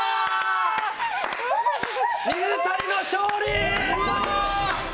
水谷の勝利！